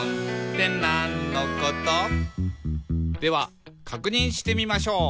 「ではかくにんしてみましょう」